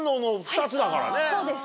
そうです